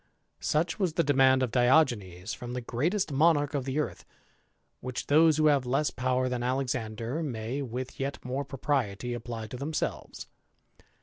Such was the demand of Diogenes from the greatest Monarch of the earth ; which those who have less power ^n Alexander may, with yet more propriety, apply to ^emselves.